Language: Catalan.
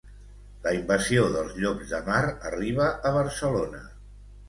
La invasió dels llops de mar arriba a Barcelona